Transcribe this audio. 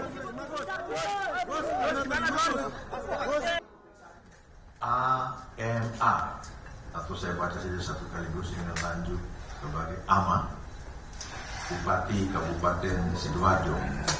kepada amah bupati kabupaten sidoarjo